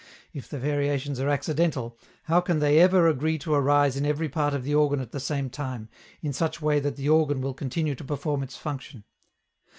If the variations are accidental, how can they ever agree to arise in every part of the organ at the same time, in such way that the organ will continue to perform its function?